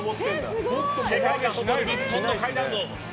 世界に誇る日本の階段王。